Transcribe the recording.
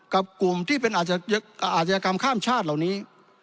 กับกลุ่มที่เป็นอาชญากรรมข้ามชาติเหล่านี้